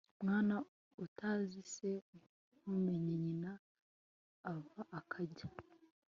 mwana utazi se ntumenye nyina ava akajya